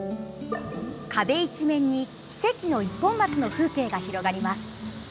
壁一面に「奇跡の一本松」の風景が広がります。